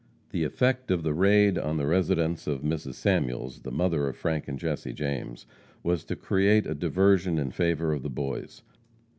The effect of the raid on the residence of Mrs. Samuels, the mother of Frank and Jesse James, was to create a diversion in favor of the boys.